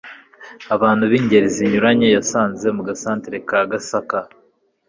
Abantu b'ingeri zinyuranye yasanze mu gasantere ka Gasaka